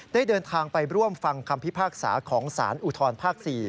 ได้เดินทางไปร่วมฟังคำพิพากษาของสารอุทธรภาค๔